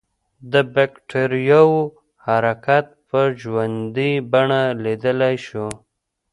د بکټریاوو حرکت په ژوندۍ بڼه لیدلای شو.